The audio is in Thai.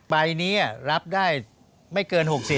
ใบนี้รับได้ไม่เกิน๖๐